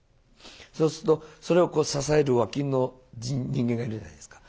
そうするとそれを支える脇の人間がいるじゃないですか。